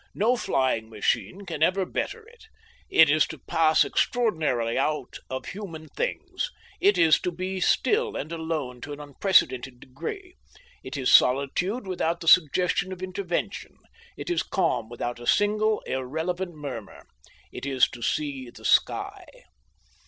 No flying machine can ever better it. It is to pass extraordinarily out of human things. It is to be still and alone to an unprecedented degree. It is solitude without the suggestion of intervention; it is calm without a single irrelevant murmur. It is to see the sky.